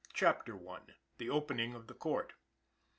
CHAPTER I. THE OPENING OF THE COURT.